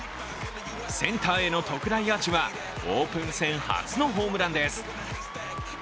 センターへの特大アーチはオープン戦初のホームランです。